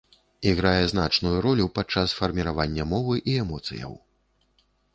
Іграе значную ролю падчас фарміравання мовы і эмоцыяў.